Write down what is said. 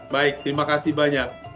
baik terima kasih banyak